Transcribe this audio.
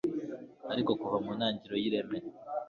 Ariko kuva mu ntangiriro y irema